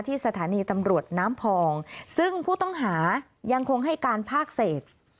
สถานีตำรวจน้ำพองซึ่งผู้ต้องหายังคงให้การภาคเศษ